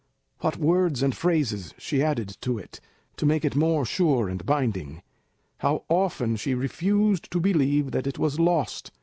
What words and phrases she added to it, to make it more sure and binding! How often she refused to believe that it was lost!